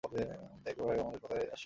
ঐ দেখ ভাই, তোমার সকল কথাতেই হাসি!